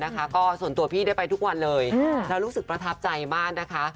ก็ส่วนตัวพี่ได้ไปทุกวันเลยแล้วรู้สึกประทับใจมากนะคะ